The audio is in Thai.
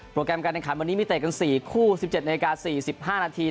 โปรแกรมการแทนขันวันนี้มีเตะกัน๔คู่๑๗นาฬิกา๔๕นาที